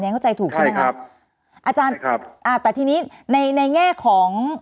เนี่ยเข้าใจถูกใช่ไหมครับใช่ครับอาจารย์ใช่ครับอ่าแต่ทีนี้ในในแง่ของ